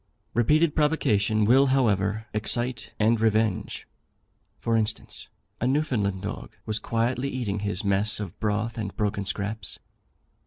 Repeated provocation will, however, excite and revenge. For instance, a Newfoundland dog was quietly eating his mess of broth and broken scraps.